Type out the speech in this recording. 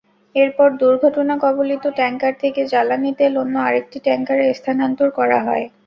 এরপর দুর্ঘটনাকবলিত ট্যাংকার থেকে জ্বালানি তেল অন্য আরেকটি ট্যাংকারে স্থানান্তর করা হয়।